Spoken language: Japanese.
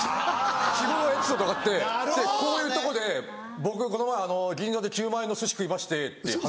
自分はエピソードがあってこういうとこで「僕この前銀座で９万円の寿司食いまして」って話して。